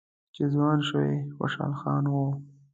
چې ځوان شوی خوشحال خان و